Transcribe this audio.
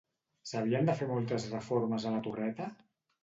S'havien de fer moltes reformes a la torreta?